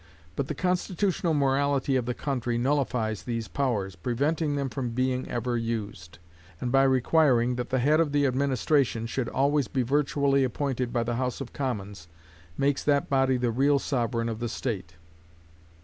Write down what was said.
But the constitutional morality of the country nullifies these powers, preventing them from being ever used; and, by requiring that the head of the administration should always be virtually appointed by the House of Commons, makes that body the real sovereign of the state.